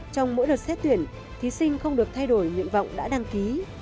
trong mỗi đợt xét tuyển thí sinh không được thay đổi nguyện vọng đã đăng ký